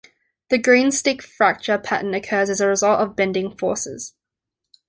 The greenstick fracture pattern occurs as a result of bending forces.